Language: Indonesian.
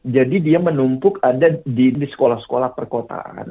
jadi dia menumpuk ada di sekolah sekolah perkotaan